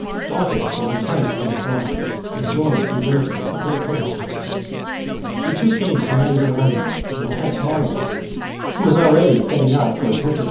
Bocchus was enticed by the bribe, and joined Jugurtha with a great host. The two kings united their armies and attacked THE JUGURTHINE WAR. 229 Marius, who was already setting out for his winter chap.